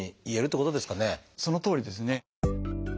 そのとおりですね。